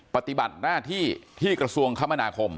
ปฏิบัติหน้าที่ที่กระทรวงคมนาคม